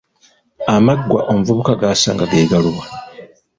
Amaggwa omuvubuka g’asanga ge galuwa?